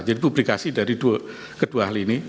jadi publikasi dari kedua hal ini